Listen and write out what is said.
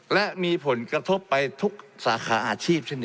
และมีผลกระทบไปทุกสาขาอาชีพใช่ไหม